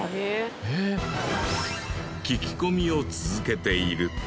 聞き込みを続けていると。